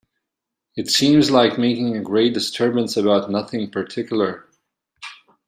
It seems like making a great disturbance about nothing particular.